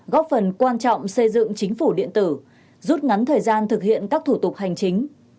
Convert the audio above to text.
góp phần quan trọng xây dựng chính phủ điện tử rút ngắn thời gian thực hiện các thủ tục hành chính